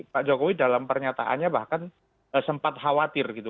pak jokowi dalam pernyataannya bahkan sempat khawatir gitu